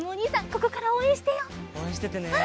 ここからおうえんしてよう。